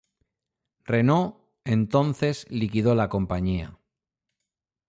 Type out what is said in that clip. Renault entonces liquidó la compañía.